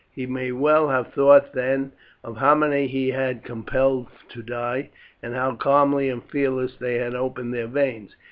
He may well have thought then of how many he had compelled to die, and how calmly and fearlessly they had opened their veins.